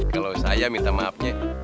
kalau saya minta maafnya